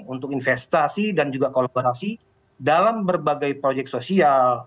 untuk investasi dan juga kolaborasi dalam berbagai proyek sosial